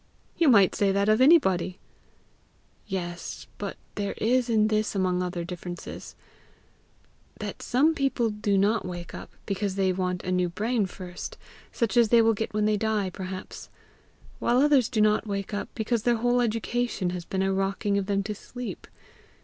"You might say that of anybody!" "Yes; but there is this among other differences that some people do not wake up, because they want a new brain first, such as they will get when they die, perhaps; while others do not wake up, because their whole education has been a rocking of them to sleep.